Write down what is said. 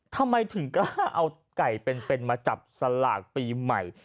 ทำไมถึงกล้าเอาไก่เป็นมาจับสลากปีใหม่